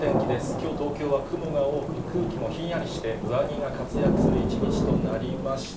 きょう、東京は雲が多く、空気もひんやりして、上着が活躍する一日となりました。